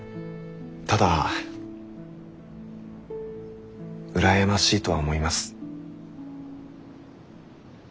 ただ羨ましいとは思います。